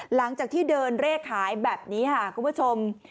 หลังจากที่เดินเลขขายแบบนี้ค่ะคุณผู้ชม